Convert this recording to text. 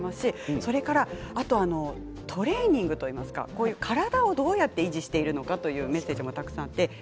それからトレーニングといいますか体をどうやって維持しているのかというメッセージもたくさんきています。